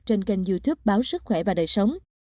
trên kênh youtube báo sức khỏe và đời sống